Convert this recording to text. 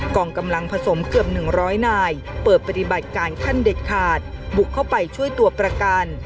กองกำลังผสมเกือบ๑๐๐นายเปิดปฏิบัติการขั้นเด็ดขาดบุกเข้าไปช่วยตัวประกัน